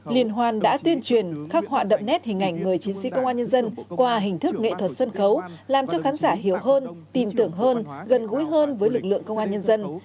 liên hoan đã tuyên truyền khắc họa đậm nét hình ảnh người chiến sĩ công an nhân dân qua hình thức nghệ thuật sân khấu làm cho khán giả hiểu hơn tin tưởng hơn gần gũi hơn với lực lượng công an nhân dân